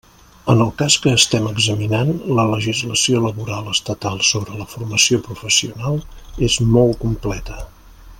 En el cas que estem examinant, la legislació laboral estatal sobre la formació professional és molt completa.